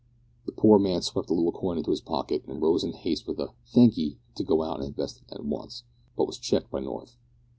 The poor man swept the little coin into his pocket and rose in haste with a "thank 'ee," to go out and invest it at once, but was checked by North.